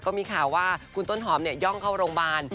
ก็มีข่าวว่าคุณต้นหอมเนี่ยย่องเข้ารงบาล